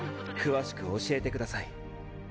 詳しく教えてください。